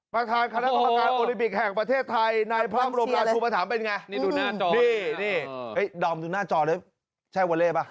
ประธานคณะกรรมการโอลี่ปิกแห่งประเทศไทยในพร้อมลงการชูประถามเป็นไง